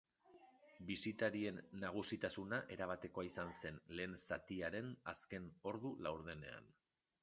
Bisitarien nagusitasuna erabatekoa izan zen lehen zatiaren azken ordu laurdenean.